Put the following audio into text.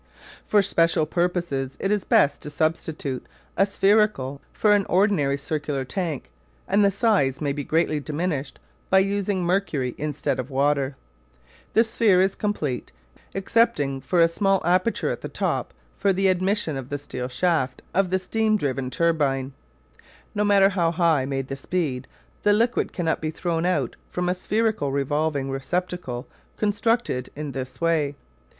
For special purposes it is best to substitute a spherical for an ordinary circular tank and the size may be greatly diminished by using mercury instead of water. The sphere is complete, excepting for a small aperture at the top for the admission of the steel shaft of the steam driven turbine. No matter how high may be the speed, the liquid cannot be thrown out from a spherical revolving receptacle constructed in this way.